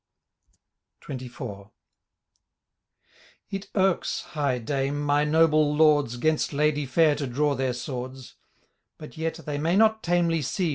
XXIV. *' It irks, high Dame, my noble Lords,, 'Gainst ladye fair to draw their swords ; But yet they "may^not tamely see.